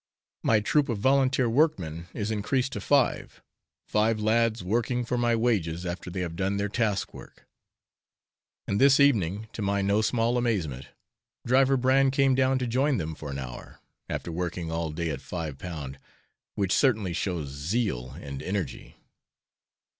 My troop of volunteer workmen is increased to five; five lads working for my wages after they have done their task work; and this evening, to my no small amazement, Driver Bran came down to join them for an hour, after working all day at Five Pound, which certainly shows zeal and energy.